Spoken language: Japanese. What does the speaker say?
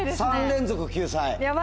３連続救済。